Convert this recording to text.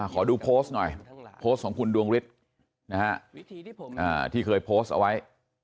ขอดูโพสต์หน่อยโพสต์ของคุณดวงฤทธิ์ที่เคยโพสต์เอาไว้